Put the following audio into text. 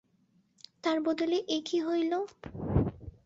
তার বদলে এ কী হইল?